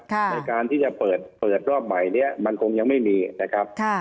ในการที่จะเปิดรอบใหม่นี้มันคงยังไม่มีนะครับ